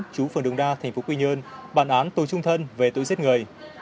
trú phường đồng đa thành phố quy nhơn bản án tội trung thân về tội giết người